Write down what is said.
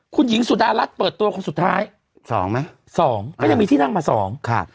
คุณหญิงสุดารัฐเปิดตัวคนสุดท้าย๒มั้ย๒ก็ยังมีที่นั่งมา๒